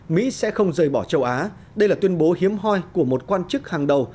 mỹ sẽ không rời bỏ châu á đây là tuyên bố hiếm hoi của một quan chức hàng đầu